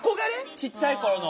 ちっちゃい頃の。